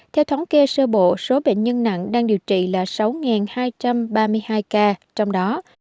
theo thống kê sơ bộ số bệnh nhân nặng đang điều trị là sáu hai trăm ba mươi hai ca trong đó